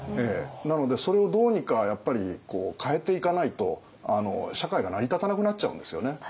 なのでそれをどうにかやっぱり変えていかないと社会が成り立たなくなっちゃうんですよね。